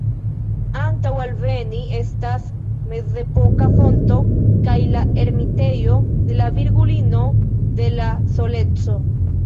Antaŭ alveni, estas mezepoka fonto kaj la ermitejo de la Virgulino de la Soleco.